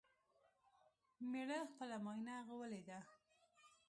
مېړه خپله ماينه غوولې ده